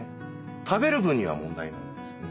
食べる分には問題ないんですね。